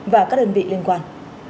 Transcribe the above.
và các đơn vị liên quan